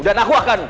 dan aku akan